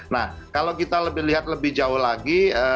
nah kalau kita lihat lebih jauh lagi